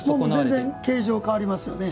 全然、形状変わりますよね。